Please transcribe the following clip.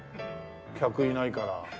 客いないから。